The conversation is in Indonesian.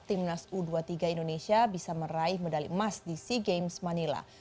timnas u dua puluh tiga indonesia bisa meraih medali emas di sea games manila